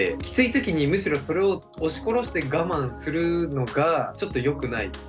きつい時にむしろそれを押し殺して我慢するのがちょっとよくない。